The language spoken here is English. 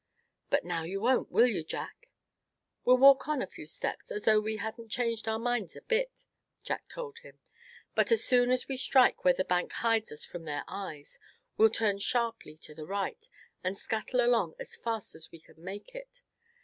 "But now you won't, will you, Jack?" "We'll walk on a few steps, as though we hadn't changed our minds a bit," Jack told him. "But as soon as we strike where the bank hides us from their eyes we'll turn sharply to the right, and scuttle along as fast as we can make it.